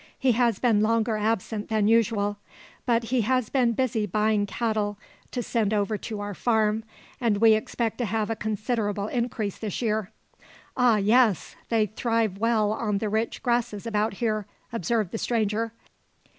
"He has been longer absent than usual; but he has been busy buying cattle to send over to our farm; and we expect to have a considerable increase this year." "Ah, yes! they thrive well on the rich grasses about here," observed the stranger.